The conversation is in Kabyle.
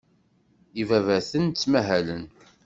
Ibabaten ttmahalen.